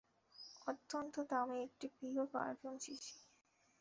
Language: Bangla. অত্যন্ত দামী একটি পিওর পারফিউমের শিশি।